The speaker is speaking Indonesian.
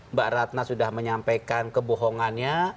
mbak ratna sudah menyampaikan kebohongannya